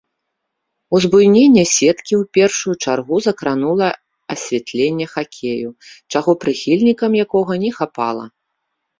Узбуйненне сеткі ў першую чаргу закранула асвятленне хакею, чаго прыхільнікам якога не хапала.